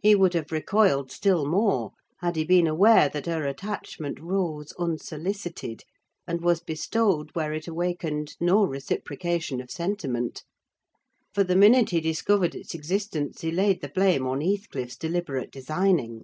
He would have recoiled still more had he been aware that her attachment rose unsolicited, and was bestowed where it awakened no reciprocation of sentiment; for the minute he discovered its existence he laid the blame on Heathcliff's deliberate designing.